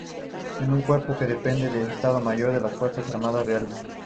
Es un cuerpo que depende del Estado Mayor de las Fuerzas Armadas Reales.